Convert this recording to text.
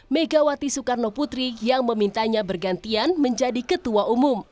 megawati soekarno putri yang memintanya bergantian menjadi ketua umum